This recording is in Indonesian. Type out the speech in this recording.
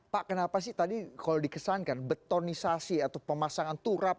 pak kenapa sih tadi kalau dikesankan betonisasi atau pemasangan turap